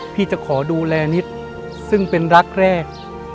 พี่จะขอดูแลนิดซึ่งเป็นรักแรก